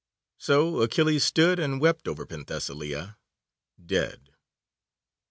So Achilles stood and wept over Penthesilea dead.